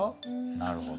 なるほど。